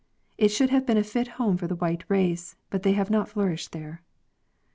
Itshould have been a fit home for the white race, but they have not flourished there.